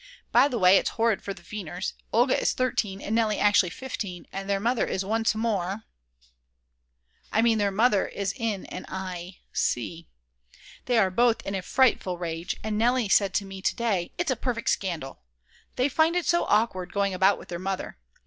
By the way, it's horrid for the Weiners; Olga is 13 and Nelly actually 15, and their mother is once more I mean their mother is in an i c . They are both in a frightful rage, and Nelly said to me to day: "It's a perfect scandal;" they find it so awkward going about with their mother.